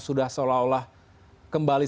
sudah seolah olah kembali